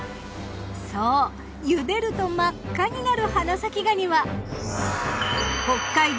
そう茹でると真っ赤になる花咲がには北海道